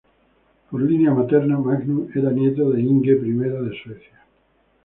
Por línea materna, Magnus era nieto de Inge I de Suecia.